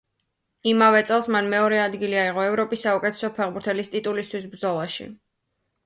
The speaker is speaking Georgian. იმავე წელს მან მეორე ადგილი აიღო ევროპის საუკეთესო ფეხბურთელის ტიტულისთვის ბრძოლაში.